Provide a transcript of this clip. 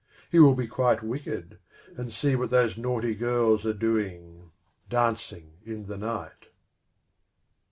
He will be quite wicked, and see what those naughty girls are doing, dancing in the night.